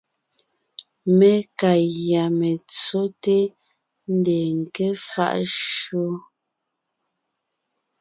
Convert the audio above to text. Mé ka gÿá metsóte, ńdeen ńké faʼ shÿó.